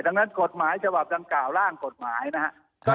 ดังนั้นกฎหมายฉบับดังกล่าวร่างกฎหมายนะครับ